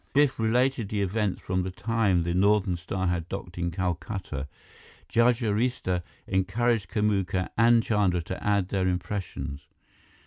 Biff related the events from the time the Northern Star had docked in Calcutta. Judge Arista encouraged Kamuka and Chandra to add their impressions.